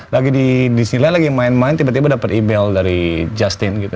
lagi di sinila lagi main main tiba tiba dapat email dari justin gitu